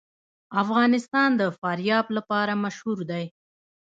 افغانستان د فاریاب لپاره مشهور دی.